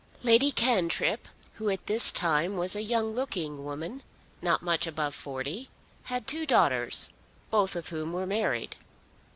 Lady Cantrip, who at this time was a young looking woman, not much above forty, had two daughters, both of whom were married.